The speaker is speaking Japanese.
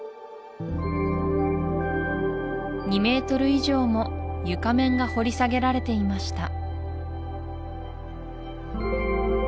２ｍ以上も床面が掘り下げられていました